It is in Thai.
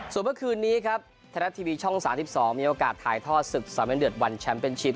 ส่วนเมื่อคืนนี้ครับแทนัททีวีช่อง๓๒มีโอกาสถ่ายท่อศึก๓๐๐วันแชมป์เป็นชิป